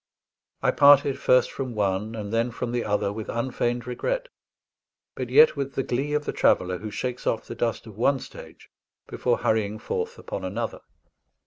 I parted first from one and then from the other with unfeigned regret, but yet with the glee of the traveller who shakes off the dust of one stage before hurrying forth upon another.